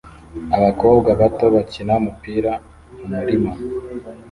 Abakobwa bato bakina umupira mumurima